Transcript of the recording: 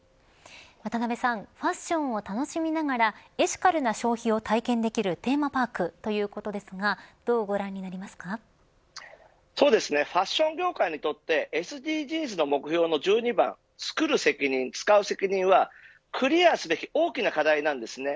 渡辺さんファッションを楽しみながらエシカルな消費を体験できるテーマパークということですがファッション業界にとってＳＤＧｓの目標の１２番つくる責任、つかう責任はクリアすべき大きな課題なんです。